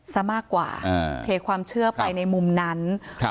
ซะมากกว่าอ่าเทความเชื่อไปในมุมนั้นครับ